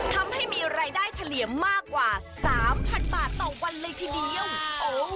ทำให้มีรายได้เฉลี่ยมากกว่า๓๐๐๐บาทต่อวันเลยทีเดียว